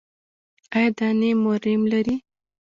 ایا دانې مو ریم لري؟